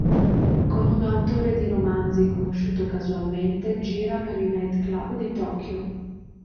Con un autore di romanzi, conosciuto casualmente, gira per i night club di Tokyo.